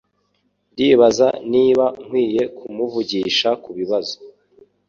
Ndibaza niba nkwiye kumuvugisha kubibazo.